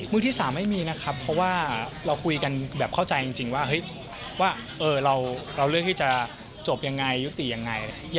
ที่๓ไม่มีนะครับเพราะว่าเราคุยกันแบบเข้าใจจริงว่าเราเลือกที่จะจบยังไงยุติยังไง